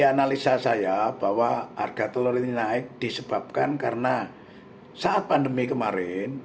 analisa saya bahwa harga telur ini naik disebabkan karena saat pandemi kemarin